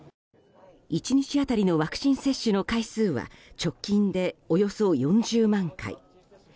１日当たりのワクチン接種の回数は直近で、およそ４０万回。